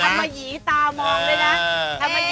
ทำไมยีตามองเลยนะ